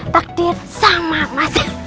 takdir sama mas